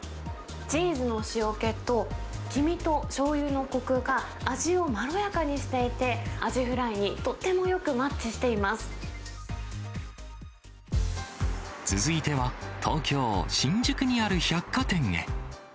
チーズの塩気と黄身としょうゆのこくが、味をまろやかにしていて、アジフライにとってもよくマッチしてい続いては、東京・新宿にある百貨店へ。